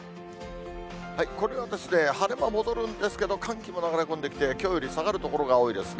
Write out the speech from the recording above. これは晴れ間戻るんですけど、寒気も流れ込んできて、きょうより下がる所が多いですね。